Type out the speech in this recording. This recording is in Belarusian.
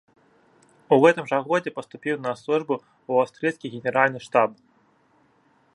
У гэтым жа годзе паступіў на службу ў аўстрыйскі генеральны штаб.